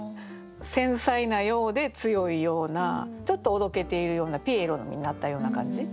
繊細なようで強いようなちょっとおどけているようなピエロになったような感じ。